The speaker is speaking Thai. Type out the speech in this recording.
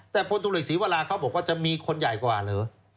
แต่พลตำรวจศรีวราเขาบอกว่าจะมีคนใหญ่กว่าเหรอ